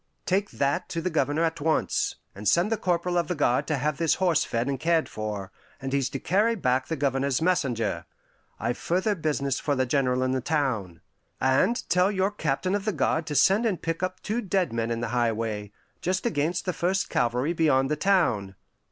"Take that to the Governor at once, and send the corporal of the guard to have this horse fed and cared for, and he's to carry back the Governor's messenger. I've further business for the General in the town. And tell your captain of the guard to send and pick up two dead men in the highway, just against the first Calvary beyond the town."